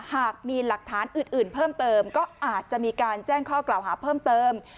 หากมีหลักฐานอื่นเพิ่มเติมก็อาจจะมีการแจ้งข้อกล่าวหาเพิ่มเติม